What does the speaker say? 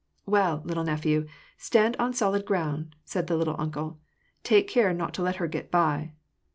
" Well, little nephew, stand on solid ground," said the "little uncle." " Take care not to let her get by."